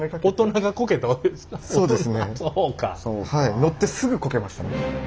乗ってすぐこけました。